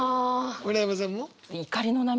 村山さんも？